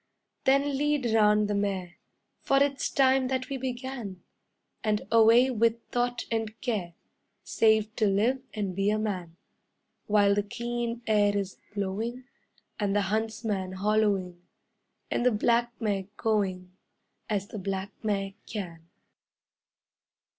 Then lead round the mare, For it's time that we began, And away with thought and care, Save to live and be a man, While the keen air is blowing, And the huntsman holloing, And the black mare going As the black mare can.